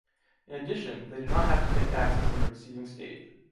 In addition, they do not have to pay taxes in the receiving state.